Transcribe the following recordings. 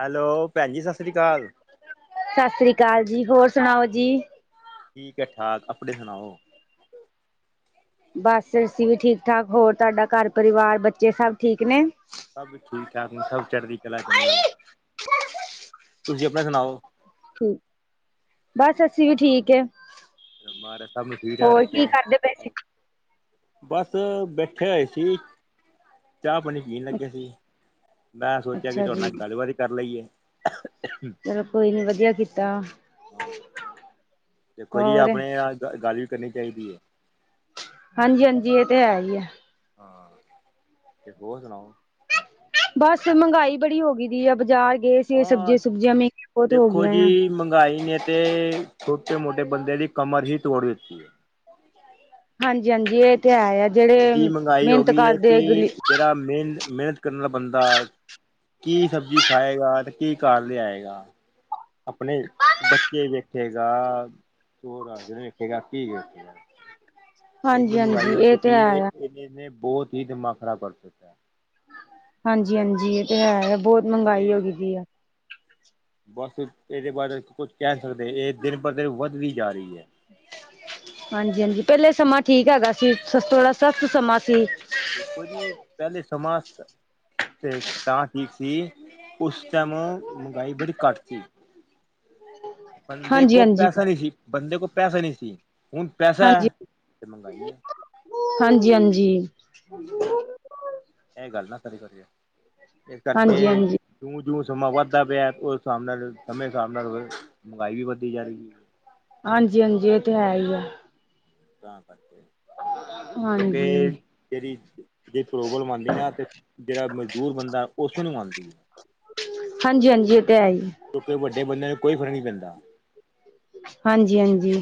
Hello ਭੈਣ ਜੀ 'ਸਤਿ ਸ੍ਰੀ ਅਕਾਲ'। 'ਸਤਿ ਸ੍ਰੀ ਅਕਾਲ' ਜੀ ਹੋਰ ਸੁਣਾਓ ਜੀ। ਠੀਕ ਹੈ ਹਾਲ ਆਪਣੇ ਸੁਣਾਓ। ਬੱਸ ਅਸੀਂ ਵੀ ਠੀਕ ਠਾਕ, ਹੋਰ ਤੁਹਾਡਾ ਘਰ ਪਰਿਵਾਰ ਬੱਚੇ ਸਭ ਠੀਕ ਨੇ। ਸਭ ਠੀਕ ਠਾਕ ਸਭ ਚੜ੍ਹਦੀ ਚਲਾ ਚ ਨੇ, ਤੁਸੀਂ ਆਪਣੇ ਸੁਣਾਓ। ਠੀਕ, ਬਸ ਅਸੀ ਵੀ ਠੀਕ ਏ। ਮਹਾਰਾਜ ਸਭ ਨੂੰ ਠੀਕ ਠਾਕ ਰੱਖੇ। ਕਰਦੇ ਪਏ ਸੀ ਬਸ ਬੈਠੇ ਹੋਏ ਸੀ ਚਾਹ ਪਾਣੀ ਪੀਣ ਲੱਗੇ ਸੀ। ਮੈਂ ਸੋਚਿਆ, ਕਿ ਅੱਛਾ ਤੁਹਾਡੇ ਜੀ ਨਾਲ ਗੱਲਬਾਤ ਹੀ ਕਰ ਲਈਏ। ਚਲੋ ਕੋਈ ਨੀ ਵਧੀਆ ਕੀਤਾ। ਹਾਂ ਦੇਖੋ ਜੀ ਹੋਰ ਆਪਣਿਆਂ ਨਾਲ ਗੱਲ ਵੀ ਕਰਨੀ ਚਾਹੀਦੀ ਏ। ਹਾਂਜੀ, ਹਾਂਜੀ ਇਹ ਤੇ ਹੈ ਹੀ ਹੈ। ਹਾਂ ਤੇ ਹੋਰ ਸੁਣਾਓ। ਬਸ ਮਹਿੰਗਾਈ ਬੜੀ ਹੋ ਗਈ ਦੀ ਏ, ਬਾਜ਼ਾਰ ਗਏ ਸੀ ਸਬਜ਼ੀਆਂ ਸੁਬਜ਼ੀਆਂ ਮਹਿੰਗੀਆਂ ਬਹੁਤ ਹੋ ਗਈਆਂ ਐ। ਮੰਗਾਈ ਨੇ ਤੇ ਛੋਟੇ ਮੋਟੇ ਬੰਦੇ ਦੀ ਕਮਰ ਹੀ ਤੋੜ ਦਿੱਤੀ ਏ। ੱ [inaudible] [unintelligible] ਹਾਂਜੀ, ਹਾਂਜੀ ਇਹ ਤੇ ਹੈ ਆ ਜਿਹੜੇ ਮਹਿੰਗਾਈ ਹੋ ਮਿਹਨਤ ਗਈ ਹੈ ਕਿ ਕਰਦੇ ਗਲੀ ਜਿਹੜਾ ਮਿਹਨਤ, ਮਿਹਨਤ ਕਰਨ ਵਾਲਾ ਬੰਦਾ ਕੀ ਸਬਜ਼ੀ ਖਾਏਗਾ ਤੇ ਕੀ ਘਰ ਲਿਆਏਗਾ। ਆਪਣੇ ਬੱਚੇ ਵੇਖੇਗਾ ਚੋਰ [unintelligible] ਵੇਖੇਗਾ ਕੀ ਵਖੇਗਾ। ਹਾਂਜੀ, ਹਾਂਜੀ ਇਹ ਤੇ ਹੈ ਆ। ਜਿਨੇ ਬਹੁਤ ਹੀ ਦਿਮਾਗ ਖਰਾਬ ਕਰ ਦਿੱਤਾ। ਹਾਂਜੀ, ਹਾਂਜੀ ਇਹ ਤੇ ਹੈ ਐ ਬਹੁਤ ਮਹਿੰਗਾਈ ਹੋ ਕਿਉਂਕਿ ਗਈ ਦੀ ਏ। ਬਸ ਇ ਇਹਦੇ ਬਾਰੇ ਕੁਝ ਕਹਿ ਸਕਦੇ ਇਹ ਦਿਨ ਪਰ ਦਿਨ ਵੱਧਦੀ ਜਾ ਰਹੀ ਹੈ। ਹਾਂਜੀ, ਹਾਂਜੀ ਪਹਿਲੇ ਸਮਾਂ ਠੀਕ ਹੈਗਾ ਸੀ ਸਸ ਥੋੜਾ ਸਸਤ ਸਮਾਂ ਸੀ। ਦੇਖੋ ਜੀ, ਪਹਿਲੇ ਸਮਾ ਤੇ ਤਾਂ ਠੀਕ ਸੀ ਉਸ ਟਾਈਮ ਮਹਿੰਗਾਈ ਬੜੀ ਘੱਟ ਸੀ। ਬੰਦੇ ਹਾਂਜੀ ਕੋ ਹਾਂਜੀ ਪੈਸਾ ਨਹੀਂ ਸੀ, ਬੰਦੇ ਕੋ ਪੈਸਾ ਨਹੀਂ ਸੀ ਹੁਣ ਪੈਸਾ ਹੈ, ਹਾਂਜੀ ਤੇ ਮਹਿੰਗਾਈ ਹੈ। ਹਾਂਜੀ, ਹਾਂਜੀ। ਇਹ ਗੱਲ ਨਾ ਕਰਿਆ ਦੇ ਇਸ ਕਰਕੇ ਹਾਂਜੀ ਜਿਉਂ ਜਿਉਂ ਸਮਾਂ ਵੱਧਦਾ ਪਿਆ ਉਸ ਹਿਸਾਬ ਨਾਲ ਸਮੇਂ ਹਿਸਾਬ ਨਾਲ ਮਹਿੰਗਾਈ ਵੀ ਵੱਧਦੀ ਜਾ ਰਹੀ। ਹਾਂਜੀ। ਹਾਂਜੀ। ਇਹ। ਤੇ। ਹੈ। ਹੀ। ਆ। ਤਾਂ। ਕਰਦੇ। ਹਾਂਜੀ ਕਿਉਂਕਿ। ਜਿਹੜੀ। ਜੇ। ਪ੍ਰੋਬਲਮ। ਆਉਂਦੀ। ਨਾ। ਤੇ। ਜਿਹੜਾ। ਮਜ਼ਦੂਰ। ਬੰਦਾ। ਉਸ। ਨੂੰ। ਆਨਂਦੀ। ਹੈ। ਹਾਂਜੀ-ਹਾਂਜੀ ਇਹ ਤੇ ਹੈ। ਹੀ। ਕਿਉਂਕਿ ਵੱਡੇ ਬੰਦ ਨੂੰ ਕੋਈ ਫਰਕ ਨਹੀਂੀ ਪੈਂਦਾ। ਹਾਂਜੀ ਹਾਂਜੀ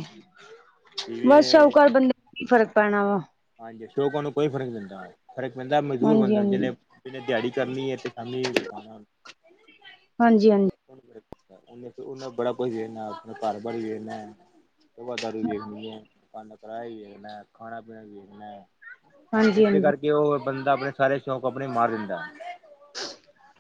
ਬਸ ਜਿਵੇਂ ਸ਼ਾਹਕ ਬੰਦੇ ਨੂੰ ਫ਼ਰਕ ਪੈਣਾ ਵਾ। ਹਾਂਜੀ ਅਸ਼ੋਕ ਉਹਨੂੰ ਕੋਈ ਫਰਕ ਪੈਂਦਾ ਫ਼ਰਕ ਪੈਂਦਾ ਮਜ਼ਦੂਰ ਹਾਂਜੀ ਬੰਦਾ ਨੂੰ ਹਾਂਜੀ ਜਿਹਨੇ ਜਨੇ ਦਿਹਾੜੀ ਕਰਨੀ ਹੈ ਤੇ। ਸਮਮੀਪ। ਹਾਂਜੀ-ਹਾਂਜੀ ਉਹਨੇ। ਫ। ਉਹਨੇ। ਬੜਾ। ਕੁਛ। ਦੇ। ਆਪਣਾ। ਘਰ। ਬਣੀ। ਦੇਨਾ। ਧ। ਦਾਰੂ। ਵੀ। ਵੇਖਣੀ। ਹੈ। ਕੰਨ। ਕਰਾਹਆ। ਵੀ। ਵੇਖਣਾ। ਖਾਣਾ। ਪੀਣਾ। ਵੀ। ਵੇਖਣਾ। ਹਾਂਜੀ ਇਸਦੇ। ਹਾਂਜੀ ਕਰਕੇ। ਉਹ। ਬੰਦਾ। ਆਪਣੇ। ਸਾਰੇ। ਸ਼ੌਕ। ਆਪਣੇ। ਮਾਰ। ਦਿੰਦਾ।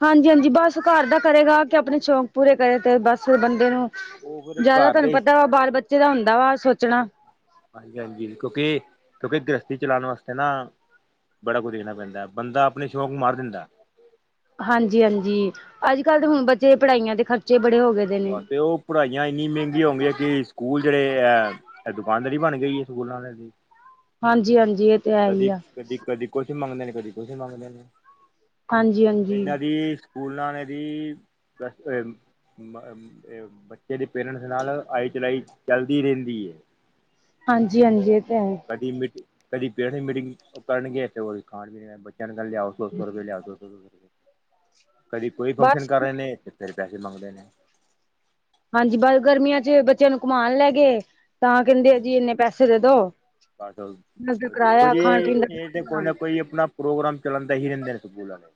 ਹਾਂਜੀ-ਹਾਂਜੀ। ਬਸ ਘਰ ਦਾ ਕਰੇਗਾ ਕਿ ਆਪਣੇ ਸ਼ੌਂਕ ਪੂਰੇ ਕਰੇ ਤੇ ਬਸ। ਬੰਦੇ ਨੂੰ ਉਹ ਫਿਰ ਜਿਆਦਾ ਘਰ ਤੁਹਾਨੂੰ ਦੇ ਪਤਾ ਵਾ ਬਾਲ ਬੱਚੇ ਦਾ ਹੁੰਦਾ ਵਾ ਸੋਚਣਾ। ਹਾਂਜੀ-ਹਾਂਜੀ। ਕਿਉਂਕਿ ਕਿਉਂਕਿ ਗ੍ਰਸਥਤੀ ਚਲਾਉਣ ਵਾਸਤੇ ਨਾ ਬੜਾ ਕੁਝ ਦੇਖਣਾ ਪੈਂਦਾ ਬੰਦਾ ਆਪਣੇ ਸ਼ੌਕ ਨੂੰ ਮਾਰ ਦਿੰਦਾ। ਹਾਂਜੀ। ਹਾਂਜੀ। ਅੱਜ। ਕੱਲ੍ਹ। ਦੇ। ਹੁਣ। ਬੱਚੇ। ਪੜ੍ਹਾਈਆਂ। ਦੇ। ਖਰਚੇ। ਬੜੇ। ਹੋ। ਗਏ। ਦੇ ਨੇ ਹਾਂ। ਤੇ। ਉਹ। ਪੜ੍ਹਾਈਆਂ। ਇੰਨੀ। ਮਹਿੰਗੀ। ਹੋ। ਗਈਆਂ। ਕਿ। ਸਕੂਲ। ਜਿਹੜੇ। ਆ। ਦੁਕਾਨਦਾਰੀ। ਬਣ। ਗਈ। ਹੈ। ਸਕੂਲਾਂ। ਦੇ। ਹ। ਹਾਂਜੀ। ਹਾਂਜੀ। ਇਹ। ਤੇ। ਹੈ। ਹੀ। ਆ। ਕਦੀ-ਕਦੀ ਕੁਛ ਮੰਗਦੇ ਨੇ ਕਦੀ ਕੁਛ ਮੰਗਦੇ ਨੇ ਹਾਂਜੀ ਹਾਂਜੀ ਇਹਨਾਂ ਦੀ। ਸਕੂਲ ਨਹਾਣੇ ਦੀ। ਮ ਬੱਚੇ ਦੇ ਪੇਰੈਂਟਸ ਨਾਲ ਆਈ ਚਲਾਈ ਚੱਲਦੀ ਰਹਿੰਦੀ ਹੈ। ਹਾਂਜੀ-ਹਾਂਜੀ ਇਹ ਤਾਂ ਹੈ। ਕਦੀ ਮੀਟ ਕਦੀ ਪੇਰੈਂਟਸ ਦੀ ਮੀਟਿੰਗ ਕਰਨ ਤੇਾਣ। ਣ ਕੱਲ ਲਿਆਸੋ ਸੋ ਰੁ ਲਿਆ। ਕਦੀ ਕੋਈ ਫੰਕਸ਼ਨ ਬਸ ਕਰ ਰਹੇ ਨੇ ਤੇ ਫੇਿਰ ਪੈਸੇ ਮੰਗਦੇ ਨੇ। ਹਾਂਜੀ ਬ ਗਰਮੀਆਂ 'ਚ ਬੱਚਿਆਂ ਨੂੰ ਕਮਾਉਣ ਲੈ ਗਏ ਤਾਂ ਕਹਿੰਦੇ ਜੀ ਇੰਨੇ ਪੈਸੇ ਦੇ ਦੋ। ਬਸ ਦਾ ਦੇਖੋ ਕਿਰਾਇਆ ਜੀ, ਖਾਣ ਪੀਣ ਦਾ ਇਹ ਤੇ ਕੋਈ ਨਾ ਕੋਈ ਆਪਣਾ। ਪ੍ਰੋਗਰਾਮ ਚੱਲਾਣਦਾ ਹੀ ਰਹਿੰਦਾ ਹੈ, ਸਕੂਲਾਂ ਨੂੰ।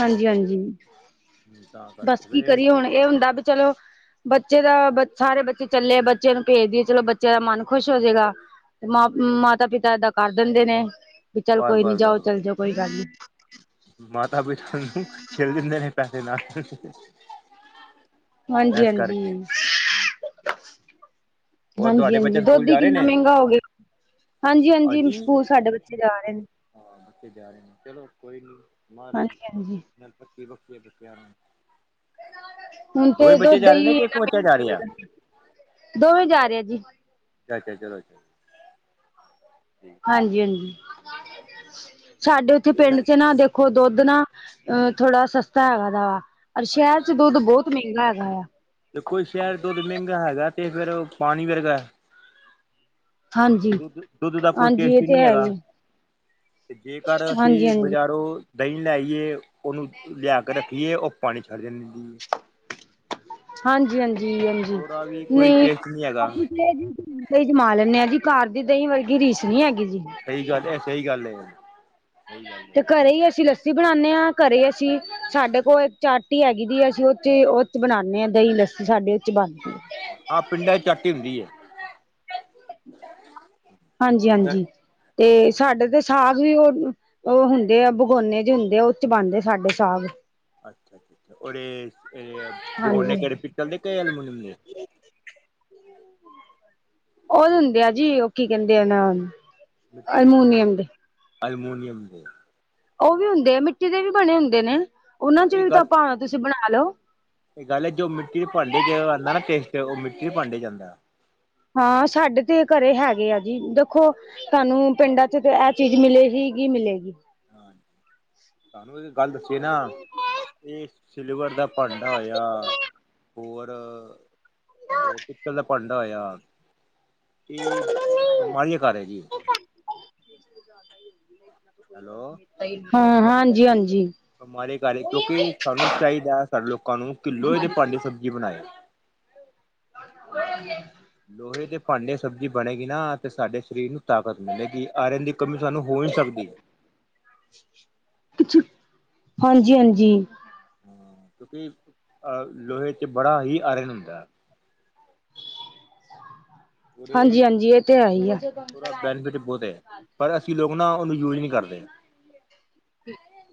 ਹਾਂਜੀ-ਹਾਂਜੀ, ਤਾਂ ਬਸ ਕਰਕੇ ਕੀ ਫਿਰ ਕਰੀਏ ਹੁਣ ਇਹ ਹੁੰਦਾ, ਵੀ ਚਲੋ। ਬੱਚੇ ਦਾ, ਬ ਸਾਰੇ ਬੱਚੇ ਚੱਲੇ ਐ, ਬੱਚਿਆਂ ਨੂੰ ਭੇਜ ਦਈਏ ਚਲੋ ਬੱਚਿਆਂ ਦਾ ਮਨ ਖੁਸ਼ ਹੋ ਜਾੇਗਾ। ਤੇ ਮਾ ਮਾਤਾ ਪਿਤਾ ਏਦਾਂ ਕਰ ਦਿੰਦੇ ਨੇ, ਵੀ ਚੱਲ ਬਸ ਕੋਈ ਨੀ ਬਸ ਜਾਓ ਬਸ ਚੱਲ ਜਾਓ ਕੋਈ ਗੱਲ ਨੀ। ਮਾਤਾ ਪਿਤਾ ਨੂ ਛੇੜ ਦਿੰਦੇ ਨੇ ਪੈਸੇ ਨਾ। ਹਾਂਜੀ-ਹਾਂਜੀ। ਉਹ ਤੁਹਾਡੇ ਹਾਂਜੀ-ਹਾਂਜੀ ਬੱਚੇ ਸਕੂਲ ਦੁੱਧ ਈ ਜਾ ਰਹੇ ਕਿੰਨਾ ਨੇ ਮਹਿੰਗਾ ਹੋ ਗਿਆ। ਹਾਂਜੀ-ਹਾਂਜੀ, ਹਾਂਜੀ ਸਕੂਲ ਸਾਡੇ ਬੱਚੇ ਜਾ ਰਹੇ ਨੇ। ਹਾਂ ਉਥੇ ਜਾ ਰਹੇ ਨੇ, ਚਲੋ ਕੋਈ ਨੀ ਮਹਾਰਾਜ। ਹਾਂਜੀ ਹਾਂਜੀ ਨਾਲ ਪੱਕੀ, ਪੱਕੀ ਪੱਕੀ ਏ, ਬੱਚਿਆਂ ਨੂੰ। ਹੁਣ ਤੇ ਹੀ ਦੋ ਬੱਚੇ ਜਾ ਰਹੇ ਨੇ ਦਹੀਂ, ਕਿ ਇੱਕ ਬੱਚਾ ਜਾ ਰਿਹਾ ਦੋਵੇਂ ਜਾ ਰਿਹਾ ਜੀ। ਜਾ ਜਾ ਚਲੋ ਜੀ ਹਾਂਜੀ-ਹਾਂਜੀ, ਸਾਡੇ ਉੱਥੇ ਇਹਨਾਂ ਪਿੰਡ ਚ ਨਾ ਦੇਖੋ। ਦੇਖੋ ਦੁੱਧ ਨਾ ਅ ਥੋੜਾ ਸਸਤਾ ਹੈਗਾ ਦਾ ਵਾ, ਸ਼ਹਿਰ ਅੱਛਾ ਚ ਦੁੱਧ ਬਹੁਤ ਮਹਿੰਗਾ ਹੈਗਾ ਆ। ਤੇ ਕੋਈ ਸ਼ਹਿਰ ਦੁੱਧ ਮਹਿੰਗਾ ਹੈਗਾ, ਤੇ ਫੇਰ ਪਾਣੀ ਵਰਗਾ। ਹਾਂਜੀ ਦੁੱਧ ਦੁੱਧ ਦਾ ਕੋਈ ਹਾਂਜੀ ਟੇਸਟ ਇਹ ਤੇ ਨਹੀਂ ਹੈ ਹੈਗਾ। ਹੀ ਤੇ ਜੇ ਕਰ ਅਸੀਂ ਹਾਂਜੀ ਹਾਂਜੀ ਬਜ਼ਾਰੋਂ। ਦਹੀਂ ਲੈ ਆਈਏ, ਉਹਨੂੰ ਲਿਆ ਕੇ ਰੱਖੀਏ, ਉਹ ਪਾਣੀ ਛੱਡ ਦੇੰਦੀ ਏ। ਹਾਂਜੀ ਹਾਂਜੀ ਹਾਂਜੀ ਉਹਦਾ ਵੀ ਕੋਈ ਨਹੀਂ ਟੇਸਟ ਹੈਗਾ ਅ ਦਹੀਂ ਜਮਾ ਲੈਂਦੇ ਆਂ ਜੀ, ਘਰ ਦੀ ਦਹੀਂ ਵਰਗੀ ਰੀਸ ਨੀ ਹੈਗੀ ਜੀ। ਸਹੀ ਗੱਲ ਹੈ, ਇਹ ਸਹੀ ਗੱਲ ਹੈ ਸਹੀ ਗੱਲ ਤੇ ਹੈ ਘਰੇ ਹੀ ਅਸੀਂ ਲੱਸੀ ਅਸੀਂ ਬਣਾਉਂਦੇ ਹਾਂ, ਘਰੇ ਅਸੀਂ, ਸਾਡੇ ਕੋਲ ਇੱਕ ਚਾਟੀ ਹੈਗੀ ਦੀ ਐ, ਅਸੀਂ ਔਥੇ ਹੀ ਔ ਅਸੀ ਬਣਾਉਂਦੇ ਹਾਂ ਦਹੀਂ ਲੱਸੀ, ਸਾਡੇ ਉਹ ਬਣਦੀ ਹੈ। ਆਹ ਪਿੰਡਾਂ ' ਚੱਟ ਹੀ ਹੁੰਦੀ ਹੈ [unintelligible] ਹਾਂਜੀ ਪਿੰਡਾਂ ਹਾਂਜੀ, ਤੇ ਸਾਡੇ ਤੇ ਸਾਗ ਵੀ ਉਹ ਉਹ ਹੁੰਦੇ ਆ, ਬਗੋਨੇ ਜੇ ਹੁੰਦੇ ਆ, ਉਹ ਚ ਬਣਦੇ ਸਾਡੇ ਸਾਗ ਅੱਛਾ ਅੱਛ ਔ ਹਾਂਜੀ ਕਿਹੜੇ, ਪਿੱਤਲ ਦੇ ਕੇ ਐਲਮੋਨੀਅਮ ਦੇ ਉਹ ਹੁੰਦੇ ਆ ਜੀ, ਉਹ ਕੀ ਕਹਿੰਦੇ ਨਾ ਮਿੱਟੀ ਦੇ, ਅਲਮੂਨੀਅਮ ਦੇ ਅਲਮੋਨੀਅਮ ਦੇ ਉਹ ਵੀ ਹੁੰਦੇ ਆ, ਮਿੱਟੀ ਦੇ ਵੀ ਬਣੇ ਹੁੰਦੇ ਨੇ, ਉਹਨਾਂ ਹਾਂ ਚ ਇਹ ਵੀ ਤਾਂ ਗੱਲ ਭਾਵੇਂ ਤੁਸੀਂ ਬਣਾ ਲਓ ਇਹ ਗੱਲ ਹੈ ਜੋ ਮਿੱਟੀ ਦੇ ਭਾਂਡੇ ਆਉਂਦਾ ਨਾ ਟੇਸਟ, ਤੇ ਉਹ ਮਿੱਟੀ ਦੇ ਭਾਂਡੇ ਚ ਆਂਦਾ ਹਾਂ, ਸਾਡੇ ਤੇ ਘਰੇ ਹੈਗੇ ਆ ਜੀ, ਦੇਖੋ ਤੁਹਾਨੂੰ ਪਿੰਡਾਂ ਚ ਤਾਂ ਇਹ ਚੀਜ਼ ਮਿਲੇਗੀ, ਹੀ ਮਿਲੇਗੀ ਹਾਂਜੀ, ਤੁਹਾਨੂੰ ਇਹ ਗੱਲ ਦਸੀ ਨਾ ਇਹ ਸਿਲਵਰ ਦਾ ਭਾਂਡਾ ਹੋਇਆ, ਹੋਰ ਉਹ ਪਿੱਲ ਦਾ ਭਾਂਡਾ ਹੋਯਾ ਇਹ, ਬਿਮਾਰੀ ਦਾ ਘਰ ਹੈ ਜੀ ਹੈਲੋ ਹਾਂ ਹਾਂਜੀ ਹਾਂਜੀ ਹਮਾਰੇ ਘਰ, ਕਿਉਂਕਿ ਸਾਨੂੰ ਚਾਹੀਦਾ ਸਾਡੇ ਲੋਕਾਂ ਨੂੰ ਕਿ ਲੋਹੇ ਦੇ ਭਾਂਡੇ ਚ ਸਬਜ਼ੀ ਬਣਾਏ। ਹੋ [unintelligible] ਲੋਹੇ ਦੇ ਭਾਂਡੇ ਚ ਸਬਜ਼ੀ ਬਣੇਗੀ ਨਾ, ਤੇ ਸਾਡੇ ਸਰੀਰ ਨੂੰ ਤਾਕਤ ਮਿਲੇਗੀ। ਆਯਰਨ ਦੀ ਕਮੀ ਸਾਨੂੰ ਹੋ ਨਹੀਂ ਸਕਦੀ ਹਾਂਜੀ ਹਾਂਜੀ ਕਿਉਂਕਿ, ਲੋਹੇ ਚ ਬੜਾ ਹੀ ਆਯਰਨ ਹੁੰਦਾ ਹੈ ਉਹਦੇ ਹਾਂਜੀ ਹਾਂਜੀ, ਇਹ ਤੇ ਹੈ ਹੀ ਐ ਉਹਦਾ ਬੈਨੀਫਿਟ ਬਹੁਤ ਹੈ, ਪਰ ਅਸੀਂ ਲੋਕ ਨਾ ਉਹਨੂੰ ਯੂਜ ਨਹੀਂ ਕਰਦੇ।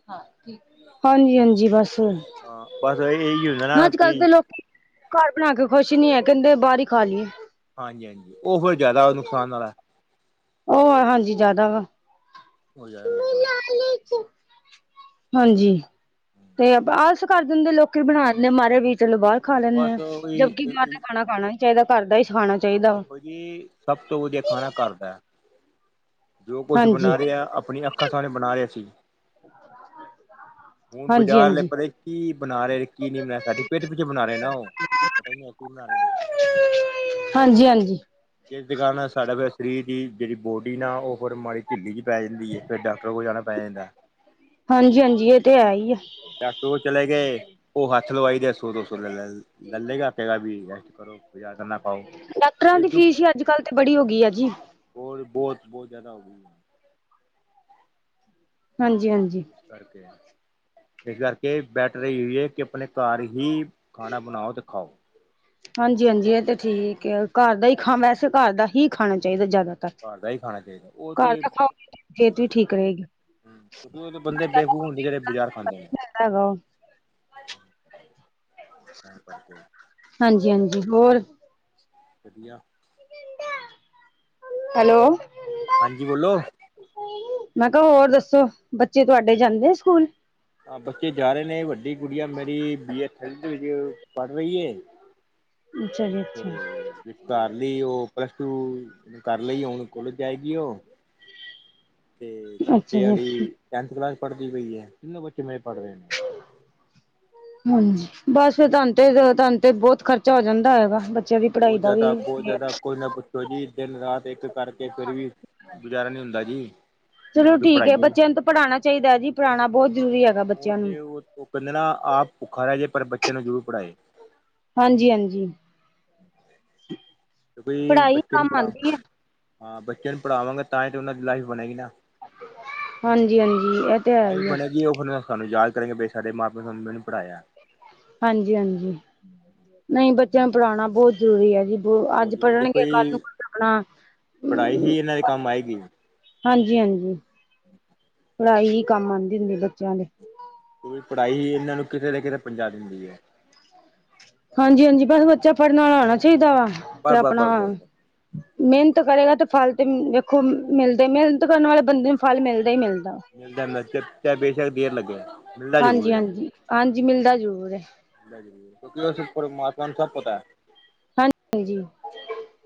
ਹਾਂਜੀ ਹਾਂਜੀ ਬਸ ਹਾਂ ਬਸ ਇਹੀ ਹੋ ਜ ਨਾ ਅੱਜ ਕੱਲ ਕੀ ਤੇ ਲੋਕੀ ਘਰ ਬਣਾ ਕੇ ਖੁਸ਼ ਨੀ ਹੈ ਕਹਿੰਦੇ ਬਾਹਰ ਹੀ ਖਾ ਲਈਏ ਹਾਂਜੀ ਹਾਂਜੀ ਉਹ ਫਿਰ ਜ਼ਿਆਦਾ ਨੁਕਸਾਨ ਨਾਲ ਉਹ ਹਾਂਜੀ ਜ਼ਿਆਦਾ ਹੋ ਜਾਏ ਨੁਕਸਾਨ। ਹਾਂਜੀ ਤੇ ਆਲਸ ਕਰ ਜਾਂਦੇ ਲੋਕੀ ਬਣਾ ਦੇ ਮਾਰੇ ਵੀ ਚਲੋ ਬਾਹਰ ਖਾ ਲੈਂਨੇ ਹਾਂ ਬਸ ਉਹੀ ਜਬਕਿ ਬਾਹਰ ਦਾ ਖਾਣਾ ਖਾਣਾ ਨੀ ਚਾਹੀਦਾ ਘਰਦਾ ਹੀ ਖਾਣਾ ਚਾਹੀਦਾ ਵਾ ਦੇਖੋ ਜੀ ਸਭ ਤੋਂ ਵਧੀਆ ਖਾਣਾ ਘਰਦੈ ਜੋ ਕੁਛ ਹਾਂਜੀ ਬਣਾ ਰਿਹਾ ਆਪਣੀਆਂ ਅੱਖਾਂ ਸਾਹਣੇ ਬਣਾ ਰਿਹਾ ਸੀ ਹੁਣ ਹਾਂਜੀ ਹਾਂਜੀ ਬਾਜ਼ਾਰ ਅਲੇ ਹਾਂਜੀ ਪਤਾ ਨੀ ਕੀ ਬਣਾ ਰਹੇ ਨੇ ਕੀ ਨਹੀਂ ਬਣਾ ਸਾਡੀ ਪੇਠ ਪਿੱਛੇ ਬਣਾ ਰਹੇ ਨਾ ਉਹ ਕ ਨਹੀਂ ਐਕ ਵੀ ਨਾ ਰ [unintelligible] ਹਾਂਜੀ ਹਾਂਜੀ ਜਿਸ ਕਾਰਨ ਸਾਡੇ ਵ ਸਰੀਰ ਦੀ ਜਿਹੜੀ ਬੋਡੀ ਨਾ ਉਹ ਫੇਰ ਮਾੜੀ ਢਿੱਲੀ ਚ ਪੈ ਜਾਂਦੀ ਏ ਫੇਰ ਡਾਕਟਰ ਕੋਲ ਜਾਣਾ ਪੈ ਜਾਂਦੈ ਹਾਂਜੀ ਹਾਂਜੀ ਇਹ ਤੇ ਹੈ ਹੀ ਐ ਡਾਕਟਰ ਕੋ ਚਲੇ ਗਏ ਉਹ ਹੱਥ ਲਵਾਈ ਦੇ ਸੋ ਦੋ ਸੌ ਰੁਪਏ ਲੱਲੇਗਾ [unintelligible] ਡਾਕਟਰਾਂ ਦੀ ਫੀਸ ਹੀ ਅੱਜ ਕਲ੍ਹ ਬੜੀ ਹੋ ਗਈ ਆ ਜੀ ਹੋਰ ਬਹੁਤ ਬਹੁਤ ਜਿਆਦਾ ਹੋ ਗਈ ਹੈ ਹਾਂਜੀ- ਹਾਂਜੀ। ਇਸ ਕਰਕੇ ਬੈਟਰ ਇਹੀਓ ਏ ਕਿ ਆਪਣੇ ਘਰ ਹੀ ਖਾਣਾ ਬਣਾਓ, ਤੇ ਖਾਓ। ਹਾਂਜੀ- ਹਾਂਜੀ ਇਹ ਤੇ ਠੀਕ ਆ, ਘਰ ਦਾ ਹੀ ਖਾ ਵੈਸੇ ਘਰ ਦਾ ਹੀ ਖਾਣਾ ਚਾਹੀਦਾ ਜ਼ਿਆਦਾ। ਘਰ ਦਾ ਹੀ ਖਾਣਾ ਚਾਹੀਦਾ ਉਹ ਘਰ ਤੇ ਦਾ ਖਾਓ, ਸਿਹਤ ਵੀ ਠੀਕ ਰਹੇਗੀ। ਉਹ ਤੇ ਬੰਦੇ ਬੇਵਕੂਫ ਹੁੰਦੇ, ਜਿਹੜੇ ਬਾਜ਼ਾਰ ਦਾ ਖਾਂਦੇ। ਨੇ ਦਾ ਹੈਗਾ ਉਹ। [inaudible] ਤਾਂ ਕਰਕੇ ਹਾਂਜੀ -ਹਾਂਜੀ ਹੋਰ ਵਧੀਆ। [inaudible] ਹੈਲੋ, ਹਾਂਜੀ ਬੋਲੋ ਮੈਂ ਕਿਹਾ ਹੋਰ ਦੱਸੋ, ਬੱਚੇ ਤੁਹਾਡੇ ਜਾਂਦੇ ਆ ਸਕੂਲ। ਹਾਂ ਬੱਚੇ ਜਾ ਰਹੇ ਨੇ, ਵੱਡੀ ਗੁੜੀਆ ਮੇਰੀ ਬੀ ਐ ਥਰਡ ਦੇ ਵਿੱਚ ਪੜ ਰਹੀ ਏ। ਅੱਛਾ ਜੀ ਤੇ ਅੱਛਾ ਵਿਚਕਾਰ ਲੀ ਉਹ, ਪਲੱਸ ਟੂ ਕਰ ਲਈ ਹੁਣ। ਜਾਏਗੀ ਉਹ। ਤੇ ਅੱਛਾ ਛੋਟੇ ਆਲੀ ਜੀ ਟੈਨਥ ਕਲਾਸ ਚ ਪੜ੍ਹਦੀ ਪਈ ਐ, ਤਿੰਨੋ ਬੱਚੇ ਮੇਰੇ ਪੜ੍ਹ ਰਹੇ ਨੇ। ਹਾਂਜੀ, ਬਸ ਫੇਰ ਤੁਹਾਨੂੰ ਤੇ ਤੁਹਾਨੂੰ ਤੇ ਬਹੁਤ ਖਰਚਾ ਹੋ ਜਾਂਦਾ ਹੋਏਗਾ ਬੱਚਿਆਂ ਦੀ ਪੜ੍ਹਾਈ ਦਾ ਵੀ ਦੇਖੋ ਜੀ, ਦਿਨ -ਰਾਤ ਇੱਕ ਕਰਕੇ ਫਿਰ ਵੀ ਗੁਜ਼ਾਰਾ ਨੀ ਹੁੰਦਾ ਜੀ। ਚਲੋ ਕਿਉਂਕਿ ਠੀਕ ਹੈ ਪੜ੍ਹਾਈਆਂ ਬੱਚਿਆਂ ਨੂੰ ਪੜ੍ਹਾਣਾ ਚਾਹੀਦਾ ਹੈ ਜੀ, ਪੜਾਣਾ ਬਹੁਤ ਜ਼ਰੂਰੀ ਐ। ਉਹ ਤੇ ਉਹ- ਉਹ ਕਹਿੰਦੇ ਨਾ ਆਪ ਭੁੱਖਾ ਰਹਿ ਜਾਏ, ਪਰ ਬੱਚਿਆਂ ਨੂੰ ਜ਼ਰੂਰ ਪੜ੍ਹਾਏ। ਹਾਂਜੀ- ਹਾਂਜੀ, ਕਿਉਂਕਿ ਪੜ੍ਹਾਈ ਬੱਚੇ ਨੂੰ ਕੰਮ ਪੜ੍ਹਾ ਆਂਦੀ ਐ। ਹਾਂ ਬੱਚਿਆਂ ਨੂੰ ਪੜ੍ਹਾਵਾਂਗੇ, ਤਾਂ ਹੀ ਤੇ ਉਹਨਾਂ ਦੀ ਲਾਈਫ ਬਣੇਗੀ ਨਾ। ਹਾਂਜੀ- ਹਾਂਜੀ, ਇਹ ਤੇ ਹੈ ਹੀ ਐ। ਕੀ ਔਖ ਨਾਲ [unintelligible] ਸਾਨੂੰ ਯਾਦ ਕਰਨਗੇ ਵੀ, ਸਾਡੇ ਮਾਂ- ਪਿਓ ਨੇ ਸਾਨੂੰ ਪੜਾਇਆ। ਹਾਂਜੀ -ਹਾਂਜੀ, ਨਹੀਂ ਬੱਚਿਆਂ ਨੂੰ ਪੜ੍ਹਾਣਾ ਬਹੁਤ ਜ਼ਰੂਰੀ ਹੈ ਜੀ, ਬ ਬਹੁਤ ਅੱਜ ਜ਼ਰੂਰੀ ਦੇਖੋ ਪੜ੍ਹਨਗੇ ਕੱਲ ਨੂੰ ਜੀ ਆਪਣਾ ਪੜ੍ਹਾਈ ਹੀ ਇਹਨਾਂ ਦੇ ਕੰਮ ਆਏਗੀ ਹਾਂਜੀ- ਹਾਂਜੀ। [unintelligible] ਪੜ੍ਹਾਈ ਹੀ ਕੰਮ ਆਂਦੀ ਹੁੰਦੀ ਐ, ਬੱਚਿਆਂ ਦੇ। ਕਿ ਪੜ੍ਹਾਈ ਹੀ ਇਹਨਾਂ ਨੂੰ ਕਿਤੇ ਨਾ ਕਿਤੇ ਪਹੁੰਚਾ ਦਿੰਦੀ ਏ। ਹਾਂਜੀ -ਹਾਂਜੀ ਬਸ ਬੱਚਾ ਪੜ੍ਹਨ ਆਲਾ ਹੋਣਾ ਚਾਹੀਦਾ ਵਾ, ਤੇ ਆਪਣਾ [unintelligible] ਜੀ ਮਿਹਨਤ ਕਰੇਗਾ ਤਾਂ ਫਲ ਤਾਂ ਵੇਖੋ ਮਿਲਦੇ, ਮਿਹਨਤ ਕਰਨ ਵਾਲੇ ਬੰਦੇ ਨੂੰ ਫਲ ਮਿਲਦੈ ਹੀ ਮਿਲਦੈ। ਮਿਲਦਾ ਚਾਹੇ ਬੇਸ਼ੱਕ ਦੇਰ ਲੱਗੇ। ਮਿਲਦਾ ਜ਼ਰੂਰ ਹਾਂਜੀ ਹੈ। -ਹਾਂਜੀ -ਹਾਂਜੀ ਮਿਲਦਾ ਜ਼ਰੂਰ ਐ। ਕਿਉਂਕਿ ਉਹ ਪਰਮਾਤਮਾ ਨੂੰ ਸਭ ਪਤਾ। ਹਾਂਜੀ -ਹਾਂਜੀ।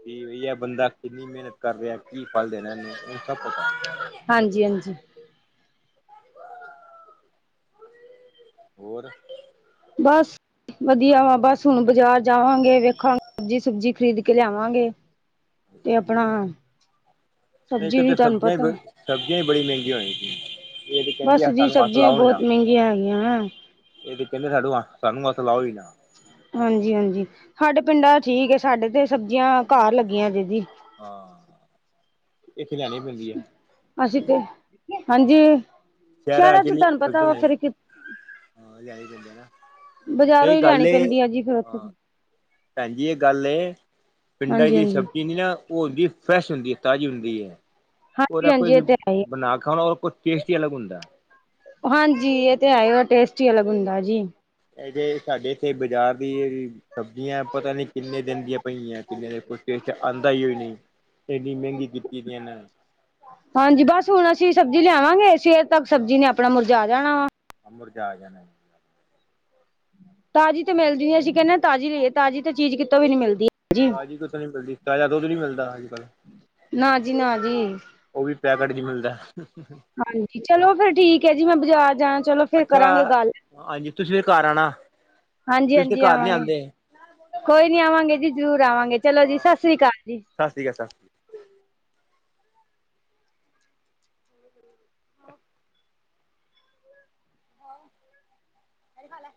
ਕਿ ਬਈਆ ਬੰਦਾ ਕਿੰਨੀ ਮਿਹਨਤ ਕਰ ਰਿਹਾ, ਕੀ ਫਲ ਦੇਣਾ ਇਹਨੂੰ ਇਹ ਸਭ ਪਤਾ। ਹਾਂਜੀ- ਹਾਂਜੀ। ਹੋਰ ਬਸ ਵਧੀਆ ਵਾ, ਬਸ ਹੁਣ ਬਾਜ਼ਾਰ ਜਾਵਾਂਗੇ, ਵੇਖਾਂਗੇ ਸਬਜ਼ੀ ਸੁਬਜੀ ਖਰੀਦ ਕੇ ਲਿਆਵਾਂਗੇ। ਤੇ ਸਬਜ਼ੀ ਆਪਣਾ ਲਿਆਓ ਇੱਕ ਸਬਜ਼ੀ ਵੀ ਤਾਂ ਤੁਹਾਨੂੰ ਸਬਜ਼ੀਆਂ ਹੀ ਪਤਾ ਸਬਜ਼ੀਆਂ ਵੀ ਬੜੀ ਮਹਿੰਗੀਆਂ ਹੋਈਆਂ ਸੀ, ਇਹ ਤੇ ਕਹਿੰਦੀ ਬਸ ਆ ਜੀ ਸਾਨੂੰ ਹੱਥ ਸਬਜ਼ੀਆਂ ਲਾਓ ਈ ਬਹੁਤ ਨਾ। ਮਹਿੰਗੀਆਂ ਹੈਗੀਆਂ ਹੈ। ਇਹ ਤੇ ਕਹਿੰਦੇ ਸਾਨੂੰ ਹੱਥ ਲਾਓ ਈ ਨਾ। ਹਾਂਜੀ -ਹਾਂਜੀ, ਸਾਡੇ ਪਿੰਡਾਂ ਚ ਠੀਕ ਐ, ਸਾਡੇ ਤੇ ਸਬਜ਼ੀਆਂ ਘਰ ਲੱਗੀਆਂ ਜੇ ਜੀ। ਹਾਂ, ਇੱਥੇ ਲਿਆਣੀ ਪੈਂਦੀ ਐ। ਅਸੀਂ ਤੇ ਹਾਂਜੀ ਸ਼ਹਿਰਾਂ ਚ ਤੁਹਾਨੂੰ ਪਤਾ ਵਾ ਫਿਰ ਕੀ ਹਾਂ ਲਿਆਣੀ ਪੈਂਦੀ ਹੈ ਨਾ ਬਾਜ਼ਾਰੋਂ ਇਹ ਹੀ ਲਿਆਣੀ ਪੈਂਦੀ ਆ ਜੀ ਫਿਰ ਤੇ। ਭੈਣਜੀ ਇਹ ਗੱਲ ਪਿੰਡਾਂ ਹਾਂਜੀ, ਚ ਹਾਂਜੀ, ਸਬਜ਼ੀ ਨੀ ਨਾ ਉਹ ਹੁੰਦੀ ਫਰੈਸ਼ ਹੁੰਦੀ ਤਾਜ਼ੀ ਹੁੰਦੀ ਹੈ। ਹਾਂਜੀ, ਉਹਦਾ ਹਾਂਜੀ ਕੋਈ ਇਹ ਤੇ ਹੈ ਹੀ ਬਣਾਕੇ ਖਾਓ ਉਹਦਾ ਕੋਈ ਟੇਸਟ ਹੀ ਅਲੱਗ ਹੁੰਦਾ। ਹਾਂਜੀ ਇਹ ਤੇ ਹੈ ਟੇਸਟ ਹੀ ਅਲੱਗ ਹੁੰਦਾ ਜੀ। ਇਹ ਤੇੇ ਸਾਡੇ ਇੱਥੇ ਬਾਜ਼ਾਰ ਦੀ ਸਬਜ਼ੀਆਂ ਪਤਾ ਨਹੀਂ ਕਿੰਨੇ ਦਿਨ ਦੀਆਂ ਪਈਆਂ ਕਿੰਨੇ ਦਿਨ ਆਉਂਦਾ ਹੀ ਹੋ ਨਹੀਂ ਇੰਨੀ ਮਹਿੰਗੀ ਕੀਤੀ ਦੀ ਇਹਨਾਂ ਹਾਂਜੀ ਬਸ ਹੁਣ ਅਸੀਂ ਸਬਜ਼ੀ ਲਿਆਵਾਂਗੇ ਸਵੇਰ ਤੱਕ ਸਬਜ਼ੀ ਨੇ ਆਪਣਾ ਮੁਰਝਾ ਆ ਜਾਣਾ ਵਾ। ਮੁਰਜਾ ਜਾਣਾ। ਤਾਜ਼ੀ ਤੇ ਮਿਲਦੀ ਅਸੀਂ ਕਹਿੰਦੇ ਤਾਜੀ ਲਈਏ ਤਾਜ਼ੀ ਤੇ ਚੀਜ਼ ਕਿਤੋਂ ਵੀ ਨਹੀਂ ਮਿਲਦੀ। ਜੀ। ਤਾਜ਼ੀ ਕਿਤੋਂ ਨੀ ਮਿਲਦੀ ਤਾਜ਼ਾ ਦੁੱਧ ਨੀ ਮਿਲਦਾ ਅੱਜ ਕੱਲ੍ਹ। ਨਾ ਜੀ ਨਾ ਜੀ। ਉਹ ਵੀ ਪੈਕਟ ਚ ਮਿਲਦਾ। ਹਾਂਜੀ ਚਲੋ ਫੇਰ ਠੀਕ ਹੈ ਜੀ ਮੈਂ ਬਾਜ਼ਾਰ ਜਾ ਚਲੋ। ਫਿਰ ਅੱਛਾ ਕਰਾਂਗੇ ਗੱਲ ਹਾਂਜੀ ਤੁਸੀਂ ਫਿਰ ਘਰ ਆਉਣਾ। ਹਾਂਜੀ ਤੁਸੀਂ ਤੇ ਹਾਂਜੀ ਘਰ ਨੀ ਆਵਾਂਗੇ ਆਉਂਦੇ ਕੋਈ ਨੀ ਆਵਾਂਗੇ ਜੀ ਜਰੂਰ ਆਵਾਂਗੇ ਚਲੋ ਜੀ ਹਾਂ ਸਤਿ ਸ੍ਰੀ ਅਕਾਲ ਜੀ। ਸਤਿ ਸ਼੍ਰੀ ਅਕਾਲ। [unintelligible] ਇਹੀ ਖਾ ਲੈ ਖਾ ਲੈ